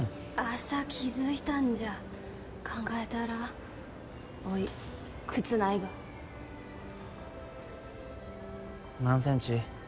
朝気づいたんじゃ考えたらおい靴ないが何センチ？